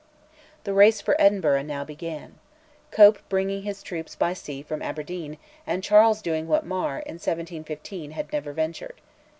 The race for Edinburgh now began, Cope bringing his troops by sea from Aberdeen, and Charles doing what Mar, in 1715, had never ventured.